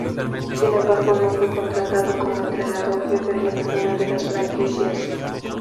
Sin embargo, no fue contratado como entrenador jefe de ninguna de las franquicias.